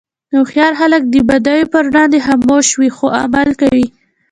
هوښیار خلک د بدیو پر وړاندې خاموش وي، خو عمل کوي.